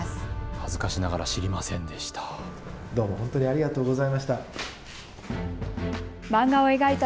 恥ずかしながら知りませんでした。